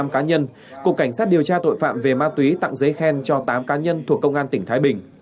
hai mươi cá nhân cục cảnh sát điều tra tội phạm về ma túy tặng giấy khen cho tám cá nhân thuộc công an tỉnh thái bình